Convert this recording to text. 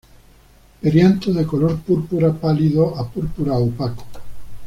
Perianto de color púrpura pálido a púrpura opaco.